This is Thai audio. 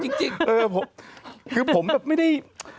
เออคือผมแบบไม่ได้